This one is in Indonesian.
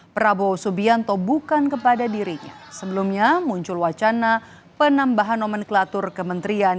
prabowo subianto bukan kepada dirinya sebelumnya muncul wacana penambahan nomenklatur kementerian